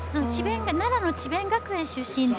奈良の智弁学園出身で。